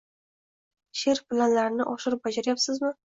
She’r planlarini oshirib bajarayapsizmi?